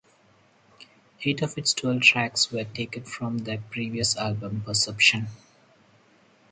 Eight of its twelve tracks were taken from their previous album, "Perception".